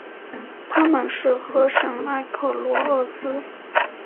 她们是河神埃克罗厄斯。